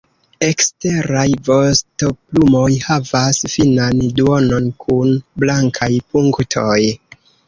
Eksteraj vostoplumoj havas finan duonon kun blankaj punktoj.